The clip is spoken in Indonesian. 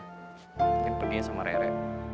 mungkin perginya sama rere